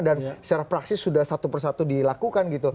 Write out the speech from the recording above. dan secara praksis sudah satu persatu dilakukan